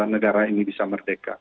negara ini bisa merdeka